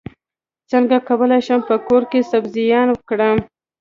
څنګه کولی شم په کور کې سبزیان کرم